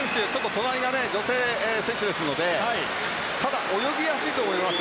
隣が女性選手ですのでただ、泳ぎやすいと思います